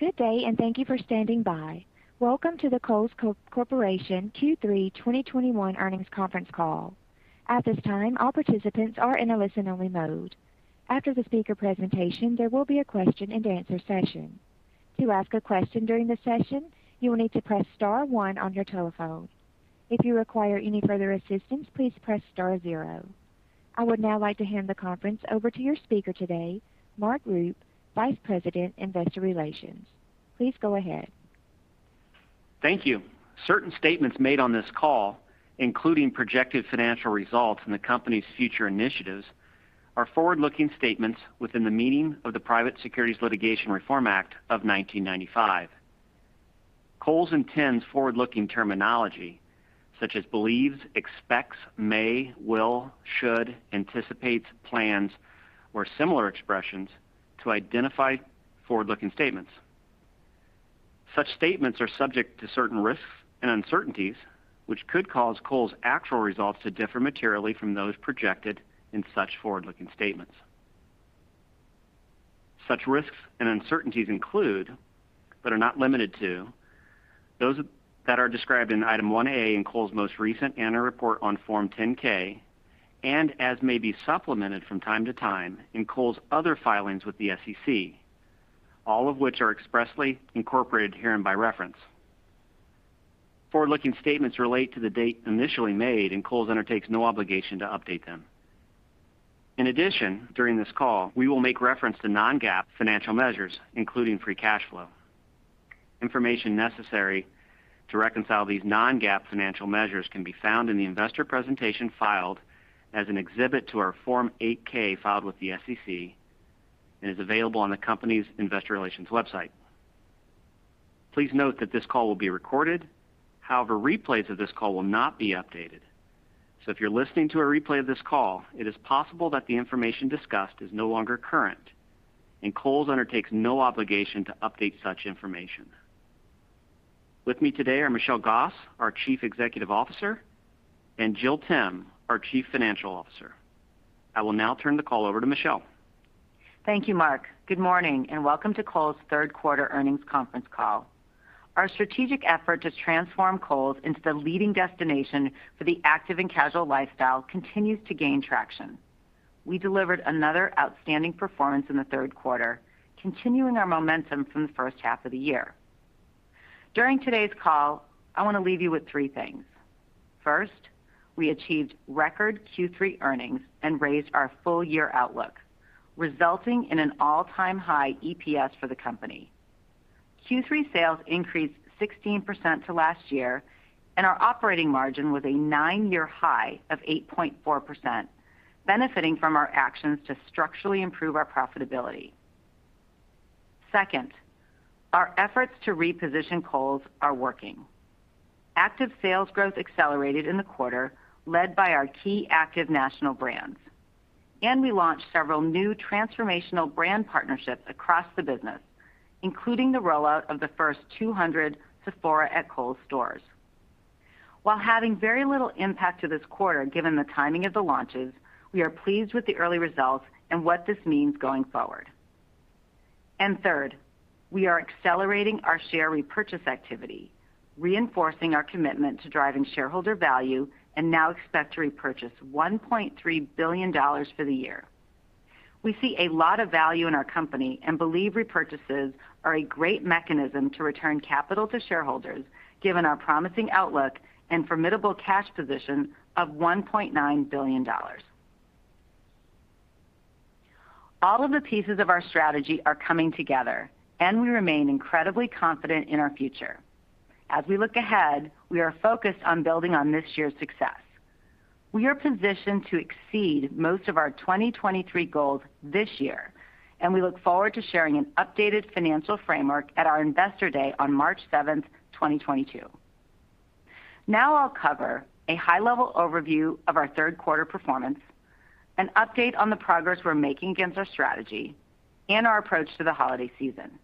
Good day, and thank you for standing by. Welcome to the Kohl's Corporation Q3 2021 earnings conference call. At this time, all participants are in a listen-only mode. After the speaker presentation, there will be a question-and-answer session. To ask a question during the session, you will need to press star one on your telephone. If you require any further assistance, please press star zero. I would now like to hand the conference over to your speaker today, Mark Rupe, Vice President, Investor Relations. Please go ahead. Thank you. Certain statements made on this call, including projected financial results and the company's future initiatives, are forward-looking statements within the meaning of the Private Securities Litigation Reform Act of 1995. Kohl's intends forward-looking terminology such as believes, expects, may, will, should, anticipates, plans, or similar expressions to identify forward-looking statements. Such statements are subject to certain risks and uncertainties, which could cause Kohl's actual results to differ materially from those projected in such forward-looking statements. Such risks and uncertainties include, but are not limited to, those that are described in Item 1A in Kohl's most recent annual report on Form 10-K and as may be supplemented from time to time in Kohl's other filings with the SEC, all of which are expressly incorporated herein by reference. Forward-looking statements relate to the date initially made, and Kohl's undertakes no obligation to update them. In addition, during this call, we will make reference to non-GAAP financial measures, including free cash flow. Information necessary to reconcile these non-GAAP financial measures can be found in the investor presentation filed as an exhibit to our Form 8-K filed with the SEC and is available on the company's investor relations website. Please note that this call will be recorded. However, replays of this call will not be updated. If you're listening to a replay of this call, it is possible that the information discussed is no longer current, and Kohl's undertakes no obligation to update such information. With me today are Michelle Gass, our Chief Executive Officer, and Jill Timm, our Chief Financial Officer. I will now turn the call over to Michelle. Thank you, Mark. Good morning and welcome to Kohl's third quarter earnings conference call. Our strategic effort to transform Kohl's into the leading destination for the active and casual lifestyle continues to gain traction. We delivered another outstanding performance in the third quarter, continuing our momentum from the first half of the year. During today's call, I want to leave you with three things. First, we achieved record Q3 earnings and raised our full year outlook, resulting in an all-time high EPS for the company. Q3 sales increased 16% to last year, and our operating margin was a nine-year high of 8.4%, benefiting from our actions to structurally improve our profitability. Second, our efforts to reposition Kohl's are working. Active sales growth accelerated in the quarter, led by our key active national brands. We launched several new transformational brand partnerships across the business, including the rollout of the first 200 Sephora at Kohl's stores. While having very little impact to this quarter, given the timing of the launches, we are pleased with the early results and what this means going forward. Third, we are accelerating our share repurchase activity, reinforcing our commitment to driving shareholder value, and now expect to repurchase $1.3 billion for the year. We see a lot of value in our company and believe repurchases are a great mechanism to return capital to shareholders, given our promising outlook and formidable cash position of $1.9 billion. All of the pieces of our strategy are coming together, and we remain incredibly confident in our future. As we look ahead, we are focused on building on this year's success. We are positioned to exceed most of our 2023 goals this year, and we look forward to sharing an updated financial framework at our Investor Day on March 7, 2022. I'll cover a high-level overview of our third quarter performance, an update on the progress we're making against our strategy, and our approach to the holiday season.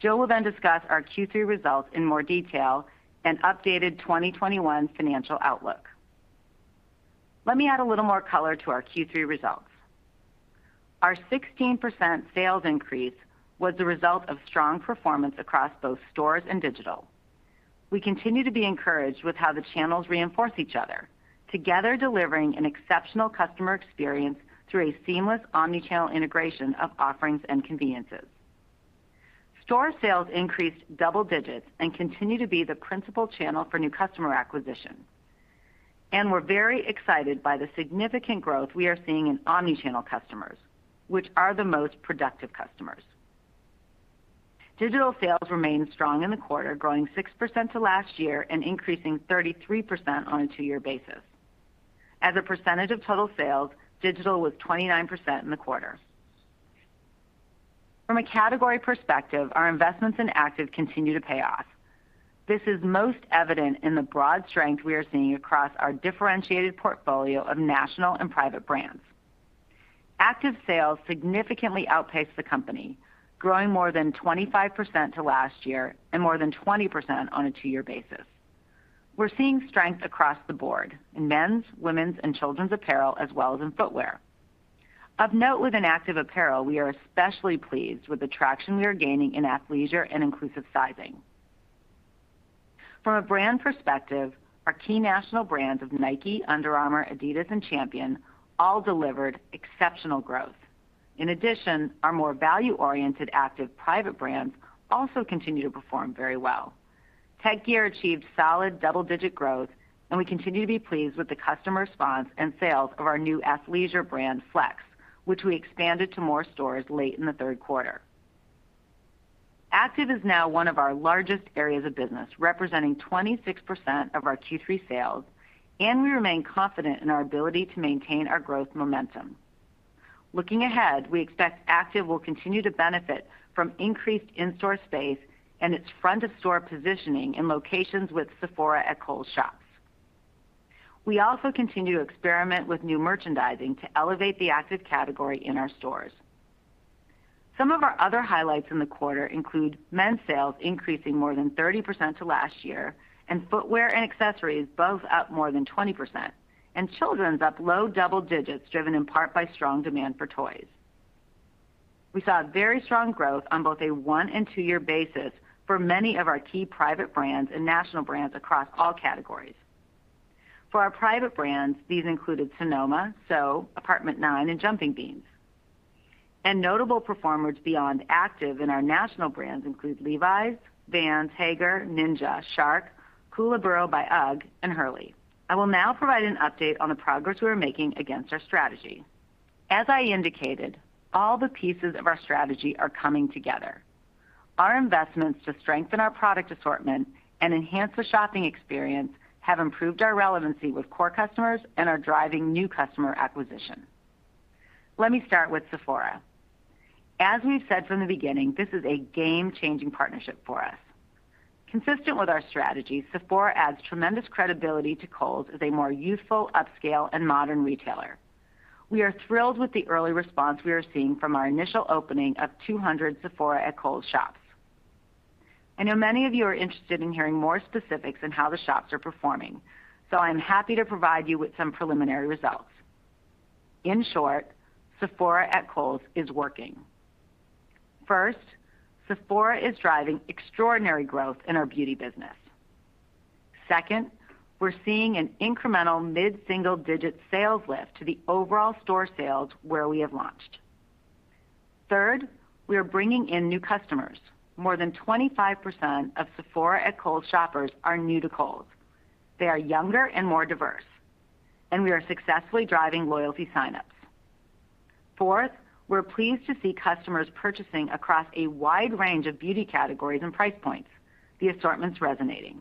Jill will then discuss our Q3 results in more detail and our updated 2021 financial outlook. Let me add a little more color to our Q3 results. Our 16% sales increase was the result of strong performance across both stores and digital. We continue to be encouraged with how the channels reinforce each other, together delivering an exceptional customer experience through a seamless omnichannel integration of offerings and conveniences. Store sales increased double digits and continue to be the principal channel for new customer acquisition. We're very excited by the significant growth we are seeing in omnichannel customers, which are the most productive customers. Digital sales remained strong in the quarter, growing 6% to last year and increasing 33% on a two-year basis. As a percentage of total sales, digital was 29% in the quarter. From a category perspective, our investments in active continue to pay off. This is most evident in the broad strength we are seeing across our differentiated portfolio of national and private brands. Active sales significantly outpaced the company, growing more than 25% to last year and more than 20% on a two-year basis. We're seeing strength across the board in men's, women's, and children's apparel, as well as in footwear. Of note with an active apparel, we are especially pleased with the traction we are gaining in athleisure and inclusive sizing. From a brand perspective, our key national brands of Nike, Under Armour, Adidas, and Champion all delivered exceptional growth. In addition, our more value-oriented active private brands also continue to perform very well. Tek Gear achieved solid double-digit growth, and we continue to be pleased with the customer response and sales of our new athleisure brand, Flex, which we expanded to more stores late in the third quarter. Active is now one of our largest areas of business, representing 26% of our Q3 sales, and we remain confident in our ability to maintain our growth momentum. Looking ahead, we expect Active will continue to benefit from increased in-store space and its front of store positioning in locations with Sephora at Kohl's shops. We also continue to experiment with new merchandising to elevate the active category in our stores. Some of our other highlights in the quarter include men's sales increasing more than 30% to last year, and footwear and accessories both up more than 20%. Children's up low double digits, driven in part by strong demand for toys. We saw very strong growth on both a one- and two-year basis for many of our key private brands and national brands across all categories. For our private brands, these included Sonoma, SO, Apt. 9, and Jumping Beans. Notable performers beyond active in our national brands include Levi's, Vans, Haggar, Ninja, Shark, Koolaburra by UGG, and Hurley. I will now provide an update on the progress we are making against our strategy. As I indicated, all the pieces of our strategy are coming together. Our investments to strengthen our product assortment and enhance the shopping experience have improved our relevancy with core customers and are driving new customer acquisition. Let me start with Sephora. As we've said from the beginning, this is a game-changing partnership for us. Consistent with our strategy, Sephora adds tremendous credibility to Kohl's as a more youthful, upscale, and modern retailer. We are thrilled with the early response we are seeing from our initial opening of 200 Sephora at Kohl's shops. I know many of you are interested in hearing more specifics on how the shops are performing, so I'm happy to provide you with some preliminary results. In short, Sephora at Kohl's is working. First, Sephora is driving extraordinary growth in our beauty business. Second, we're seeing an incremental mid-single digit sales lift to the overall store sales where we have launched. Third, we are bringing in new customers. More than 25% of Sephora at Kohl's shoppers are new to Kohl's. They are younger and more diverse, and we are successfully driving loyalty sign-ups. Fourth, we're pleased to see customers purchasing across a wide range of beauty categories and price points. The assortment's resonating.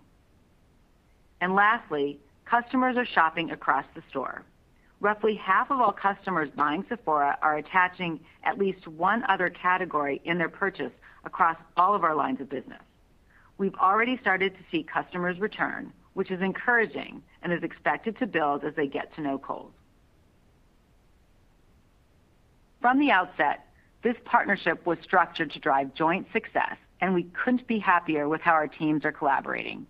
Lastly, customers are shopping across the store. Roughly half of all customers buying Sephora are attaching at least one other category in their purchase across all of our lines of business. We've already started to see customers return, which is encouraging and is expected to build as they get to know Kohl's. From the outset, this partnership was structured to drive joint success, and we couldn't be happier with how our teams are collaborating.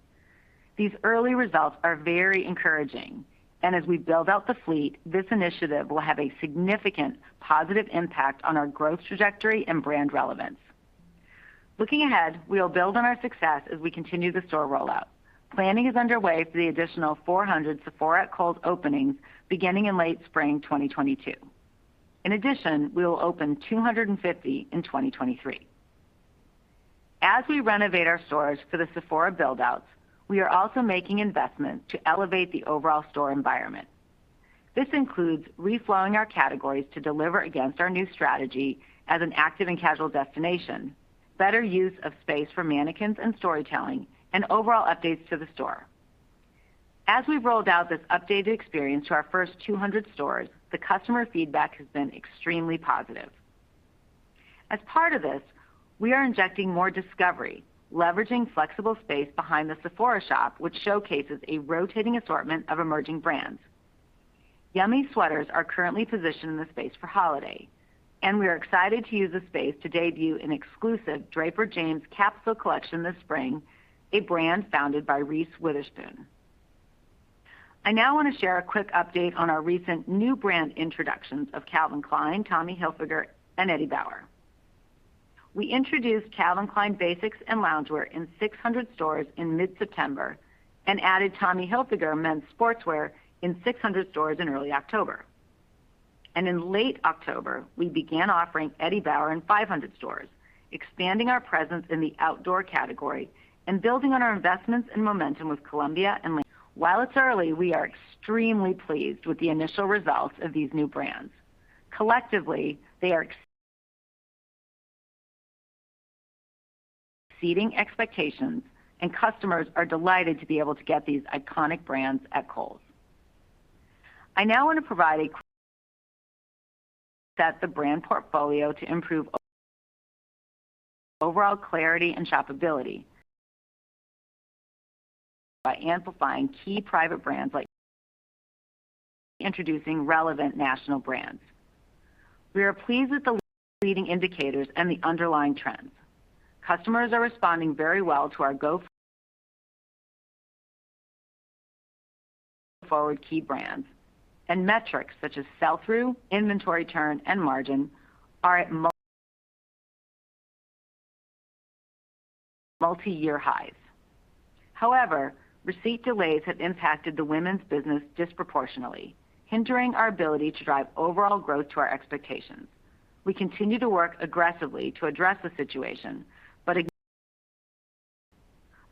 These early results are very encouraging, and as we build out the fleet, this initiative will have a significant positive impact on our growth trajectory and brand relevance. Looking ahead, we will build on our success as we continue the store rollout. Planning is underway for the additional 400 Sephora at Kohl's openings beginning in late spring 2022. In addition, we will open 250 in 2023. As we renovate our stores for the Sephora build-outs, we are also making investments to elevate the overall store environment. This includes reflowing our categories to deliver against our new strategy as an active and casual destination, better use of space for mannequins and storytelling, and overall updates to the store. As we've rolled out this updated experience to our first 200 stores, the customer feedback has been extremely positive. As part of this, we are injecting more discovery, leveraging flexible space behind the Sephora shop, which showcases a rotating assortment of emerging brands. Yummy Sweaters are currently positioned in the space for holiday, and we are excited to use the space to debut an exclusive Draper James capsule collection this spring, a brand founded by Reese Witherspoon. I now want to share a quick update on our recent new brand introductions of Calvin Klein, Tommy Hilfiger, and Eddie Bauer. We introduced Calvin Klein basics and loungewear in 600 stores in mid-September and added Tommy Hilfiger men's sportswear in 600 stores in early October. In late October, we began offering Eddie Bauer in 500 stores, expanding our presence in the outdoor category and building on our investments and momentum with Columbia and. While it's early, we are extremely pleased with the initial results of these new brands. Collectively, they are exceeding expectations, and customers are delighted to be able to get these iconic brands at Kohl's. We set the brand portfolio to improve overall clarity and shopability by amplifying key private brands like introducing relevant national brands. We are pleased with the leading indicators and the underlying trends. Customers are responding very well to our go-forward key brands and metrics such as sell-through, inventory turn, and margin are at multi-year highs. However, receipt delays have impacted the women's business disproportionately, hindering our ability to drive overall growth to our expectations. We continue to work aggressively to address the situation, but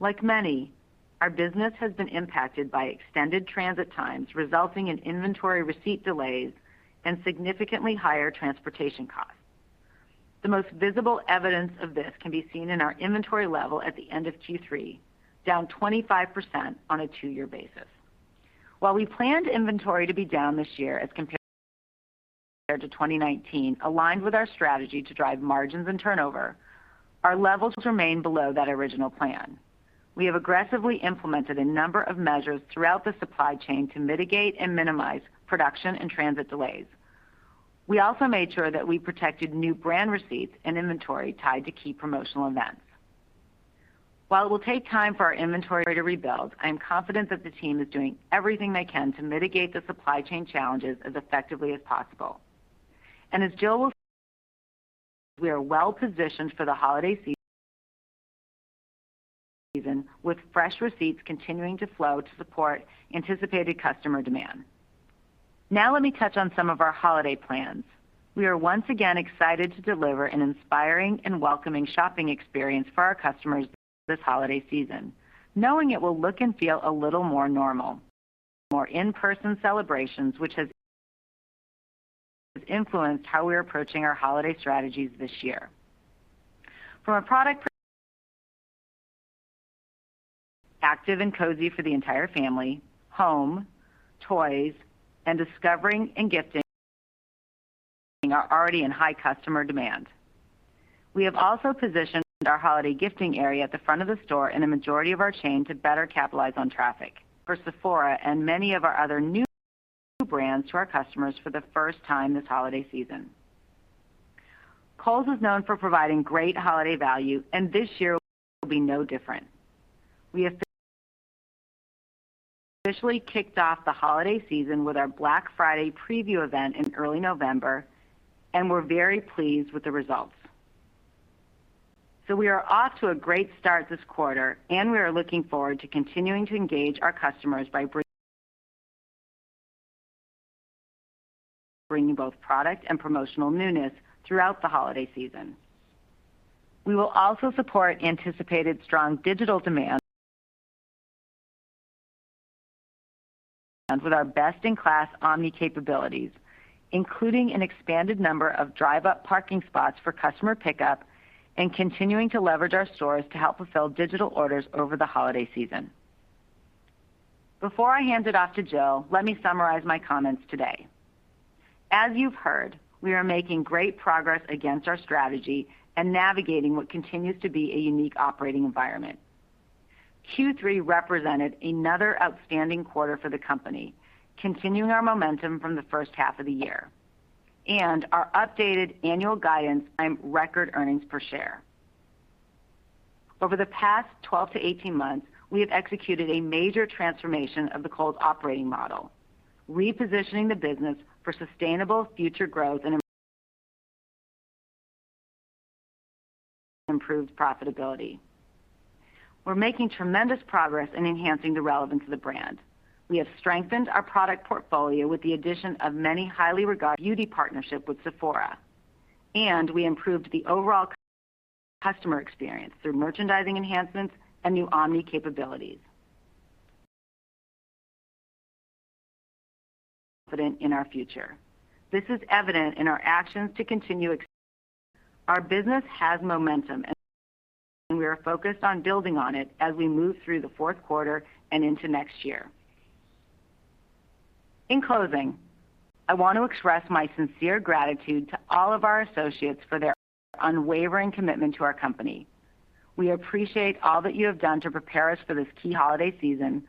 like many, our business has been impacted by extended transit times, resulting in inventory receipt delays and significantly higher transportation costs. The most visible evidence of this can be seen in our inventory level at the end of Q3, down 25% on a two-year basis. While we planned inventory to be down this year as compared to 2019, aligned with our strategy to drive margins and turnover, our levels remain below that original plan. We have aggressively implemented a number of measures throughout the supply chain to mitigate and minimize production and transit delays. We also made sure that we protected new brand receipts and inventory tied to key promotional events. While it will take time for our inventory to rebuild, I am confident that the team is doing everything they can to mitigate the supply chain challenges as effectively as possible. As Jill will discuss, we are well positioned for the holiday season with fresh receipts continuing to flow to support anticipated customer demand. Now let me touch on some of our holiday plans. We are once again excited to deliver an inspiring and welcoming shopping experience for our customers this holiday season, knowing it will look and feel a little more normal. More in-person celebrations, which has influenced how we're approaching our holiday strategies this year. Active and cozy for the entire family, home, toys, and discovery and gifting are already in high customer demand. We have also positioned our holiday gifting area at the front of the store in a majority of our chain to better capitalize on traffic. We're introducing Sephora and many of our other new brands to our customers for the first time this holiday season. Kohl's is known for providing great holiday value, and this year will be no different. We have officially kicked off the holiday season with our Black Friday preview event in early November, and we're very pleased with the results. We are off to a great start this quarter, and we are looking forward to continuing to engage our customers by bringing both product and promotional newness throughout the holiday season. We will also support anticipated strong digital demand with our best-in-class omni capabilities, including an expanded number of drive-up parking spots for customer pickup and continuing to leverage our stores to help fulfill digital orders over the holiday season. Before I hand it off to Jill, let me summarize my comments today. As you've heard, we are making great progress against our strategy and navigating what continues to be a unique operating environment. Q3 represented another outstanding quarter for the company, continuing our momentum from the first half of the year, and our updated annual guidance on record earnings per share. Over the past 12-18 months, we have executed a major transformation of the Kohl's operating model, repositioning the business for sustainable future growth and improved profitability. We're making tremendous progress in enhancing the relevance of the brand. We have strengthened our product portfolio with the addition of many highly regarded beauty partnership with Sephora, and we improved the overall customer experience through merchandising enhancements and new omni capabilities. We're confident in our future. This is evident in our actions to continue. Our business has momentum and we are focused on building on it as we move through the fourth quarter and into next year. In closing, I want to express my sincere gratitude to all of our associates for their unwavering commitment to our company. We appreciate all that you have done to prepare us for this key holiday season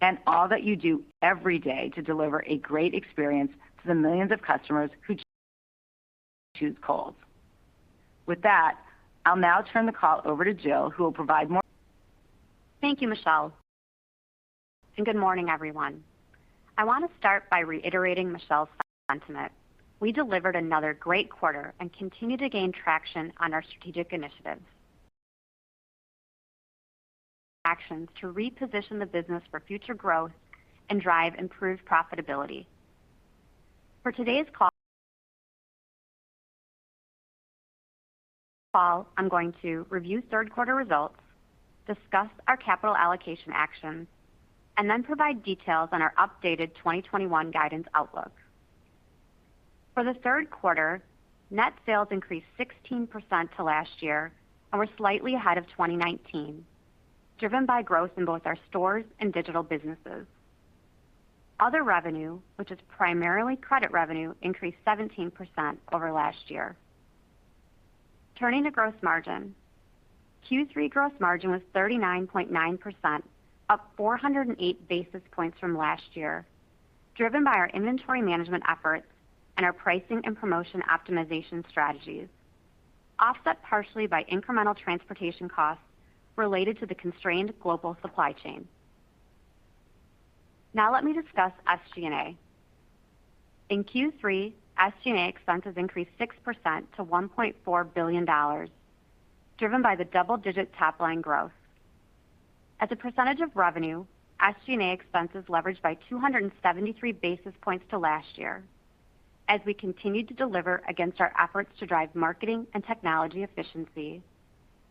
and all that you do every day to deliver a great experience to the millions of customers who choose Kohl's. With that, I'll now turn the call over to Jill, who will provide more. Thank you, Michelle. Good morning, everyone. I want to start by reiterating Michelle's sentiment. We delivered another great quarter and continue to gain traction on our strategic initiatives, actions to reposition the business for future growth and drive improved profitability. For today's call I'm going to review third quarter results, discuss our capital allocation actions, and then provide details on our updated 2021 guidance outlook. For the third quarter, net sales increased 16% to last year and were slightly ahead of 2019, driven by growth in both our stores and digital businesses. Other revenue, which is primarily credit revenue, increased 17% over last year. Turning to gross margin. Q3 gross margin was 39.9%, up 408 basis points from last year, driven by our inventory management efforts and our pricing and promotion optimization strategies, offset partially by incremental transportation costs related to the constrained global supply chain. Now let me discuss SG&A. In Q3, SG&A expenses increased 6% to $1.4 billion, driven by the double-digit top-line growth. As a percentage of revenue, SG&A expenses leveraged by 273 basis points to last year as we continued to deliver against our efforts to drive marketing and technology efficiency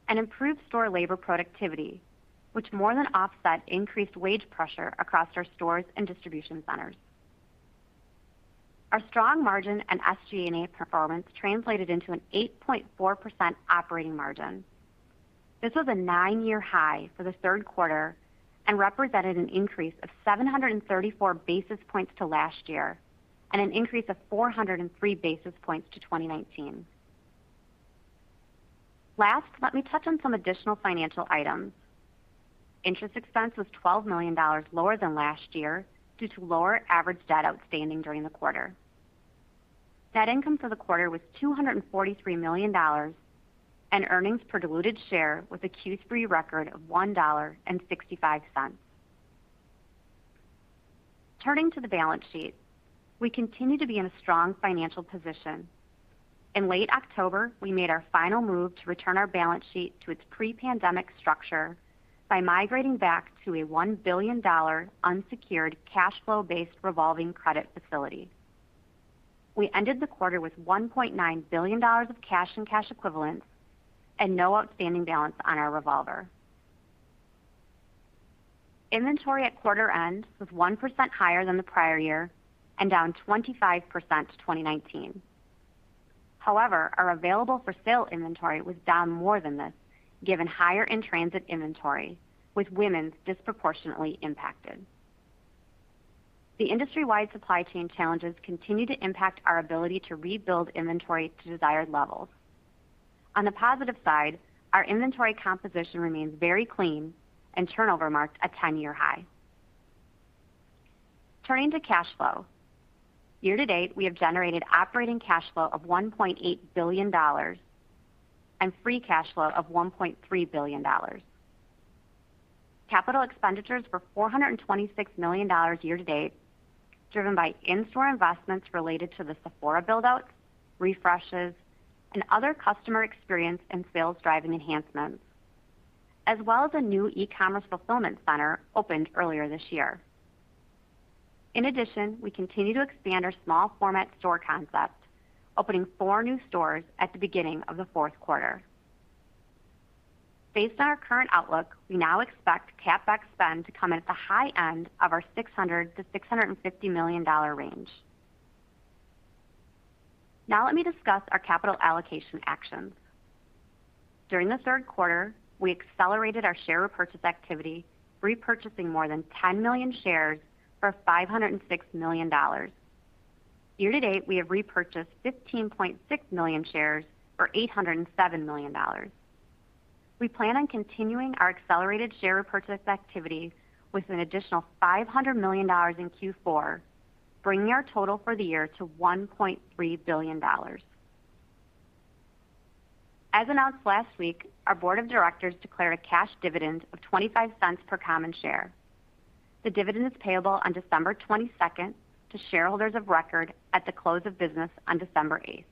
and improve store labor productivity, which more than offset increased wage pressure across our stores and distribution centers. Our strong margin and SG&A performance translated into an 8.4% operating margin. This was a nine-year high for the third quarter and represented an increase of 734 basis points to last year and an increase of 403 basis points to 2019. Last, let me touch on some additional financial items. Interest expense was $12 million lower than last year due to lower average debt outstanding during the quarter. Net income for the quarter was $243 million, and earnings per diluted share was a Q3 record of $1.65. Turning to the balance sheet. We continue to be in a strong financial position. In late October, we made our final move to return our balance sheet to its pre-pandemic structure by migrating back to a $1 billion unsecured cash flow-based revolving credit facility. We ended the quarter with $1.9 billion of cash and cash equivalents and no outstanding balance on our revolver. Inventory at quarter end was 1% higher than the prior year and down 25% to 2019. However, our available for sale inventory was down more than this, given higher in-transit inventory, with women's disproportionately impacted. The industry-wide supply chain challenges continue to impact our ability to rebuild inventory to desired levels. On the positive side, our inventory composition remains very clean and turnover marked a 10-year high. Turning to cash flow. Year to date, we have generated operating cash flow of $1.8 billion and free cash flow of $1.3 billion. Capital expenditures were $426 million year to date, driven by in-store investments related to the Sephora build-out, refreshes, and other customer experience and sales-driving enhancements, as well as a new e-commerce fulfillment center opened earlier this year. In addition, we continue to expand our small format store concept, opening four new stores at the beginning of the fourth quarter. Based on our current outlook, we now expect CapEx spend to come in at the high end of our $600 million-$650 million range. Now let me discuss our capital allocation actions. During the third quarter, we accelerated our share repurchase activity, repurchasing more than 10 million shares for $506 million. Year to date, we have repurchased 15.6 million shares for $807 million. We plan on continuing our accelerated share repurchase activity with an additional $500 million in Q4, bringing our total for the year to $1.3 billion. As announced last week, our board of directors declared a cash dividend of $0.25 per common share. The dividend is payable on December twenty-second to shareholders of record at the close of business on December eighth.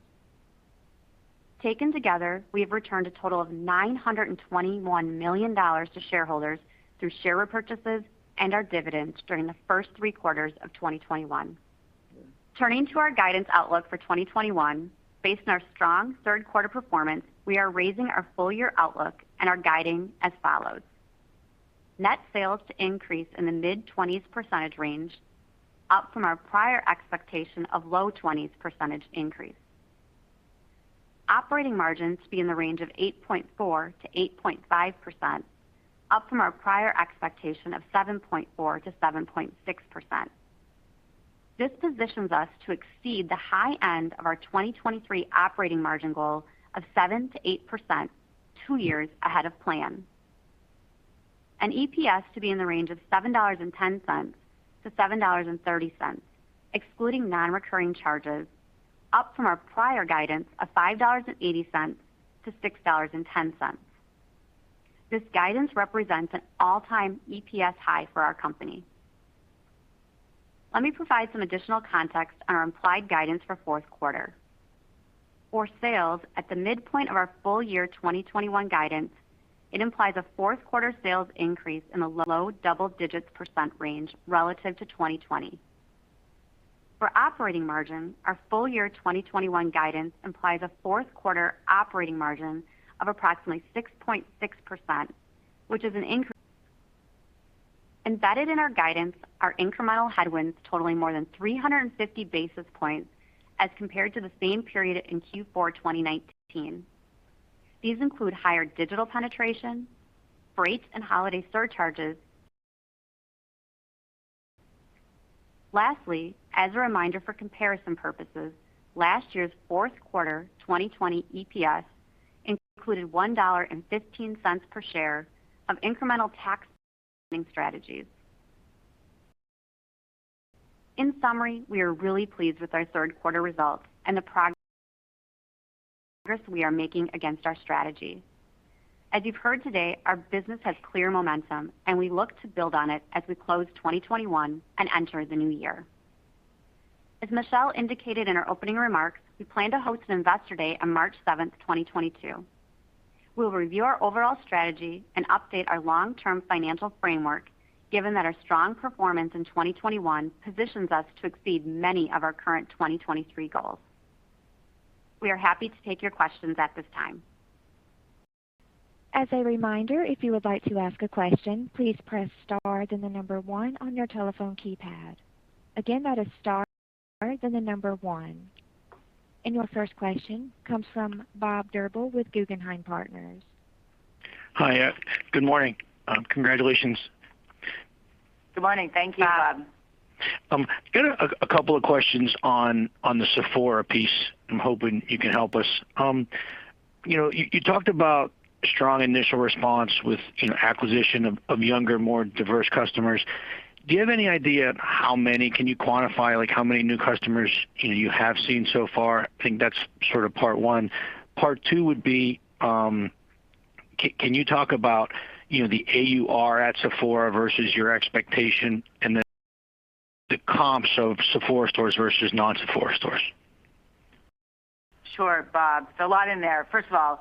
Taken together, we have returned a total of $921 million to shareholders through share repurchases and our dividends during the first three quarters of 2021. Turning to our guidance outlook for 2021. Based on our strong third quarter performance, we are raising our full year outlook and are guiding as follows. Net sales to increase in the mid-20s% range, up from our prior expectation of low 20s% increase. Operating margin to be in the range of 8.4%-8.5%, up from our prior expectation of 7.4%-7.6%. This positions us to exceed the high end of our 2023 operating margin goal of 7%-8% two years ahead of plan. EPS to be in the range of $7.10-$7.30, excluding non-recurring charges, up from our prior guidance of $5.80-$6.10. This guidance represents an all-time EPS high for our company. Let me provide some additional context on our implied guidance for fourth quarter. For sales, at the midpoint of our full year 2021 guidance, it implies a fourth quarter sales increase in the low double digits % range relative to 2020. For operating margin, our full year 2021 guidance implies a fourth quarter operating margin of approximately 6.6%, which is an increase. Embedded in our guidance are incremental headwinds totaling more than 350 basis points as compared to the same period in Q4 2019. These include higher digital penetration, freight and holiday surcharges. Lastly, as a reminder for comparison purposes, last year's fourth quarter 2020 EPS included $1.15 per share of incremental tax strategies. In summary, we are really pleased with our third quarter results and the progress we are making against our strategy. As you've heard today, our business has clear momentum, and we look to build on it as we close 2021 and enter the new year. As Michelle indicated in our opening remarks, we plan to host an Investor Day on March 7, 2022. We'll review our overall strategy and update our long-term financial framework, given that our strong performance in 2021 positions us to exceed many of our current 2023 goals. We are happy to take your questions at this time. As a reminder, if you would like to ask a question, please press star, then the number one on your telephone keypad. Again, that is star, then the number one. Your first question comes from Bob Drbul with Guggenheim Partners. Hi. Good morning. Congratulations. Good morning. Thank you, Bob. Got a couple of questions on the Sephora piece. I'm hoping you can help us. You know, you talked about strong initial response with you know acquisition of younger, more diverse customers. Can you quantify, like, how many new customers you know you have seen so far? I think that's sort of part one. Part two would be, can you talk about you know the AUR at Sephora versus your expectation and then the comps of Sephora stores versus non-Sephora stores? Sure, Bob. There's a lot in there. First of all,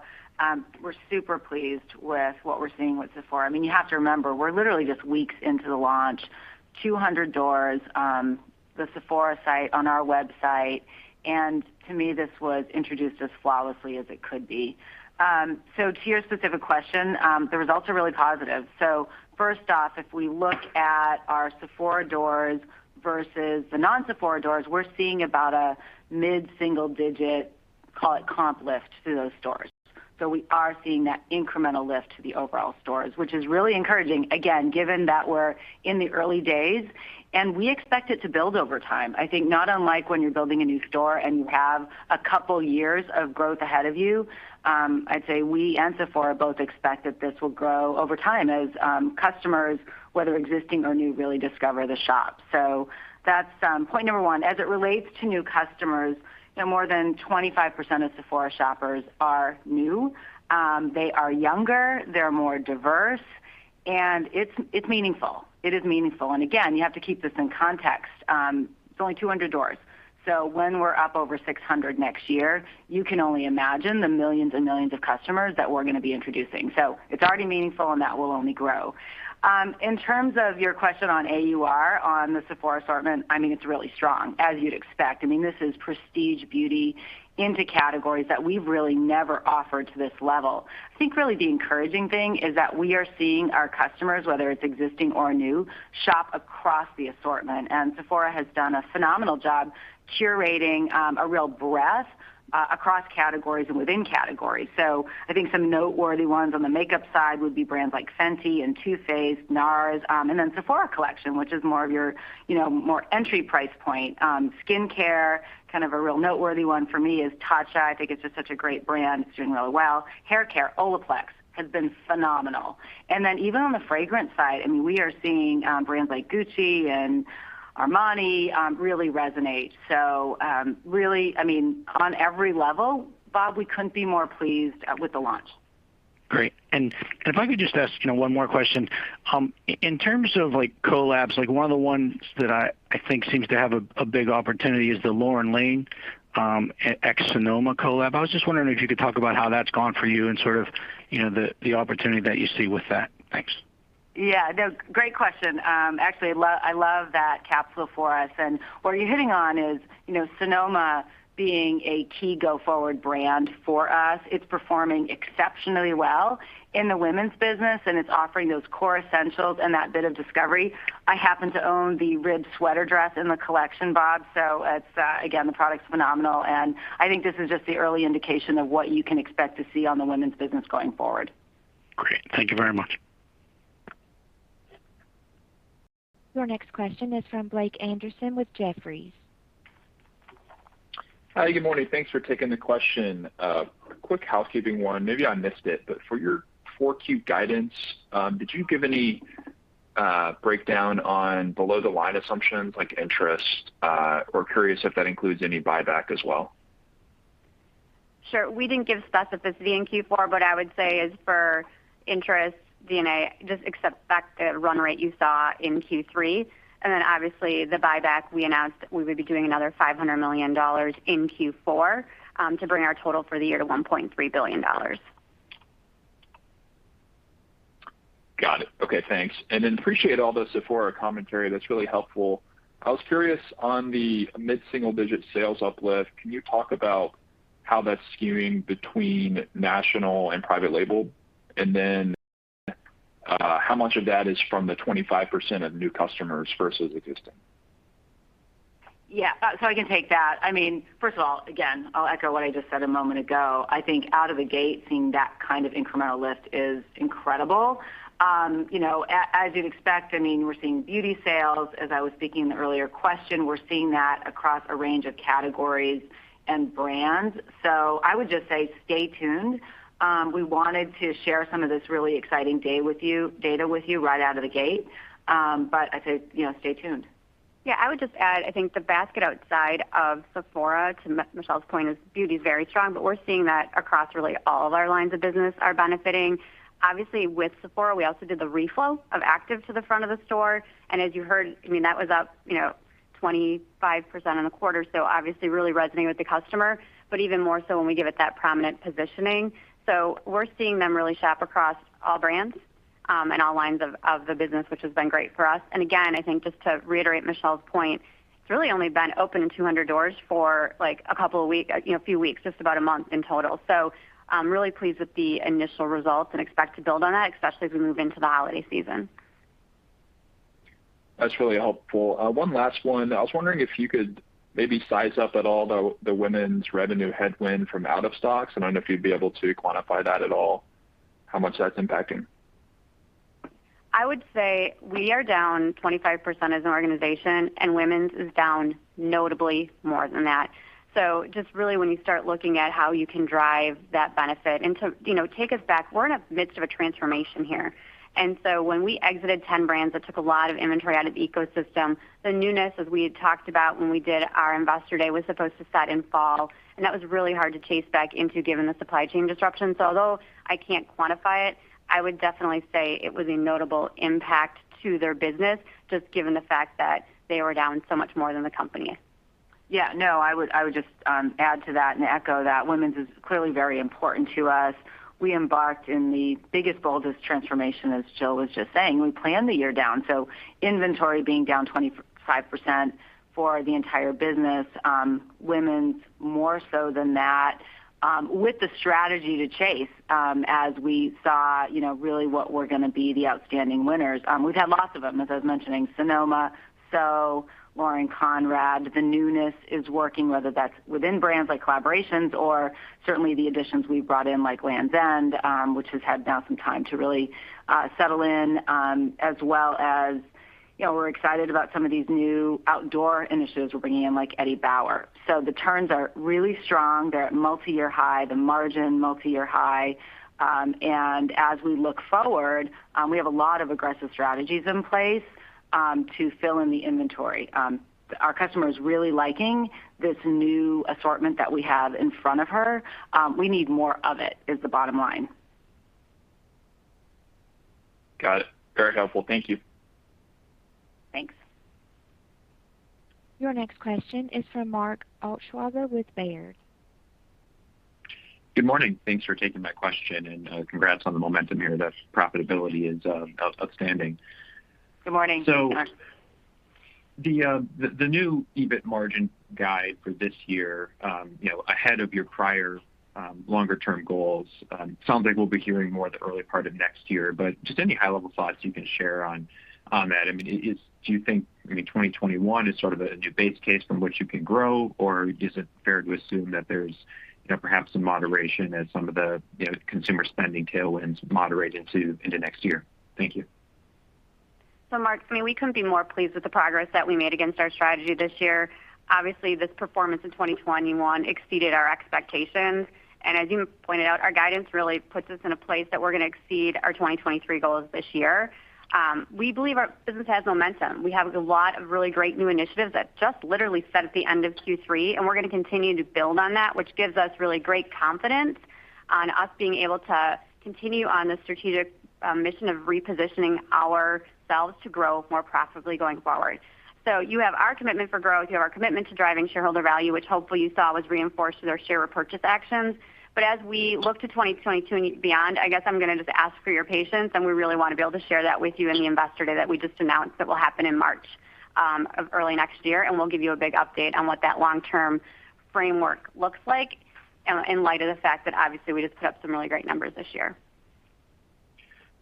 we're super pleased with what we're seeing with Sephora. I mean, you have to remember, we're literally just weeks into the launch, 200 doors, the Sephora site on our website, and to me, this was introduced as flawlessly as it could be. To your specific question, the results are really positive. First off, if we look at our Sephora doors versus the non-Sephora doors, we're seeing about a mid-single digit, call it comp lift through those stores. We are seeing that incremental lift to the overall stores, which is really encouraging, again, given that we're in the early days, and we expect it to build over time. I think not unlike when you're building a new store and you have a couple years of growth ahead of you, I'd say we and Sephora both expect that this will grow over time as customers, whether existing or new, really discover the shop. That's point number one. As it relates to new customers, you know, more than 25% of Sephora shoppers are new. They are younger, they're more diverse, and it's meaningful. Again, you have to keep this in context. It's only 200 doors. When we're up over 600 next year, you can only imagine the millions and millions of customers that we're gonna be introducing. It's already meaningful, and that will only grow. In terms of your question on AUR on the Sephora assortment, I mean, it's really strong, as you'd expect. I mean, this is prestige beauty into categories that we've really never offered to this level. I think really the encouraging thing is that we are seeing our customers, whether it's existing or new, shop across the assortment. Sephora has done a phenomenal job curating a real breadth across categories and within categories. I think some noteworthy ones on the makeup side would be brands like Fenty and Too Faced, NARS, and then Sephora Collection, which is more of your, you know, more entry price point. Skincare, kind of a real noteworthy one for me is Tatcha. I think it's just such a great brand. It's doing really well. Hair care, Olaplex has been phenomenal. Even on the fragrance side, I mean, we are seeing brands like Gucci and Armani really resonate. Really, I mean, on every level, Bob, we couldn't be more pleased with the launch. Great. If I could just ask, you know, one more question. In terms of, like, collabs, like one of the ones that I think seems to have a big opportunity is the Lauren Lane LC Sonoma collab. I was just wondering if you could talk about how that's gone for you and sort of, you know, the opportunity that you see with that? Thanks. Yeah. No, great question. Actually, I love that capsule for us. What you're hitting on is, you know, Sonoma being a key go-forward brand for us. It's performing exceptionally well in the women's business, and it's offering those core essentials and that bit of discovery. I happen to own the ribbed sweater dress in the collection, Bob. It's again, the product's phenomenal, and I think this is just the early indication of what you can expect to see on the women's business going forward. Great. Thank you very much. Your next question is from Blake Anderson with Jefferies. Hi. Good morning. Thanks for taking the question. Quick housekeeping one, maybe I missed it, but for your 4Q guidance, did you give any breakdown on below-the-line assumptions like interest? We're curious if that includes any buyback as well. Sure. We didn't give specificity in Q4, but I would say it is for interest, D&A, just take the run rate you saw in Q3. Obviously, the buyback we announced that we would be doing another $500 million in Q4 to bring our total for the year to $1.3 billion. Got it. Okay, thanks. I appreciate all the Sephora commentary. That's really helpful. I was curious on the mid-single-digit sales uplift. Can you talk about how that's skewing between national and private label? How much of that is from the 25% of new customers versus existing? Yeah. I can take that. I mean, first of all, again, I'll echo what I just said a moment ago. I think out of the gate, seeing that kind of incremental lift is incredible. You know, as you'd expect, I mean, we're seeing beauty sales. As I was speaking in the earlier question, we're seeing that across a range of categories and brands. I would just say stay tuned. We wanted to share some of this really exciting data with you right out of the gate. I'd say, you know, stay tuned. Yeah. I would just add, I think the basket outside of Sephora, to Michelle's point, is. Beauty is very strong, but we're seeing that across really all of our lines of business are benefiting. Obviously, with Sephora, we also did the reflow of active to the front of the store. As you heard, I mean, that was up, you know, 25% in the quarter, so obviously really resonating with the customer, but even more so when we give it that prominent positioning. We're seeing them really shop across all brands and all lines of the business, which has been great for us. Again, I think just to reiterate Michelle's point, it's really only been open in 200 doors for, like, a couple of weeks, you know, a few weeks, just about a month in total. I'm really pleased with the initial results and expect to build on that, especially as we move into the holiday season. That's really helpful. One last one. I was wondering if you could maybe size up at all the women's revenue headwind from out-of-stocks? I don't know if you'd be able to quantify that at all, how much that's impacting. I would say we are down 25% as an organization, and women's is down notably more than that. Just really when you start looking at how you can drive that benefit. To, you know, take us back, we're in the midst of a transformation here. When we exited 10 brands, that took a lot of inventory out of the ecosystem. The newness, as we had talked about when we did our Investor Day, was supposed to set in fall, and that was really hard to chase back into given the supply chain disruption. Although I can't quantify it, I would definitely say it was a notable impact to their business, just given the fact that they were down so much more than the company. Yeah. No, I would just add to that and echo that. Women's is clearly very important to us. We embarked on the biggest, boldest transformation, as Jill was just saying. We planned the year down, so inventory being down 25% for the entire business, women's more so than that, with the strategy to chase, as we saw, you know, really what we're gonna be the outstanding winners. We've had lots of them, as I was mentioning, Sonoma, SO, Lauren Conrad. The newness is working, whether that's within brands like collaborations or certainly the additions we've brought in, like Lands' End, which has had now some time to really settle in, as well as, you know, we're excited about some of these new outdoor initiatives we're bringing in, like Eddie Bauer. The turns are really strong. They're at multi-year high, the margin multi-year high. As we look forward, we have a lot of aggressive strategies in place to fill in the inventory. Our customer is really liking this new assortment that we have in front of her. We need more of it, is the bottom line. Got it. Very helpful. Thank you. Thanks. Your next question is from Mark Altschwager with Baird. Good morning. Thanks for taking my question, and congrats on the momentum here. The profitability is outstanding. Good morning, Mark. The new EBIT margin guide for this year, you know, ahead of your prior longer term goals, sounds like we'll be hearing more in the early part of next year, but just any high-level thoughts you can share on that. I mean, do you think 2021 is sort of a new base case from which you can grow, or is it fair to assume that there's, you know, perhaps some moderation as some of the, you know, consumer spending tailwinds moderate into next year? Thank you. Mark, I mean, we couldn't be more pleased with the progress that we made against our strategy this year. Obviously, this performance in 2021 exceeded our expectations. As you pointed out, our guidance really puts us in a place that we're gonna exceed our 2023 goals this year. We believe our business has momentum. We have a lot of really great new initiatives that just literally fed at the end of Q3, and we're gonna continue to build on that, which gives us really great confidence on us being able to continue on the strategic mission of repositioning ourselves to grow more profitably going forward. You have our commitment for growth, you have our commitment to driving shareholder value, which hopefully you saw was reinforced with our share repurchase actions. As we look to 2022 and beyond, I guess I'm gonna just ask for your patience, and we really wanna be able to share that with you in the Investor Day that we just announced that will happen in March of early next year. We'll give you a big update on what that long-term framework looks like in light of the fact that obviously we just put up some really great numbers this year.